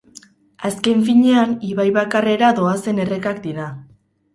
Azken finean, ibai bakarrera doazen errekak dira.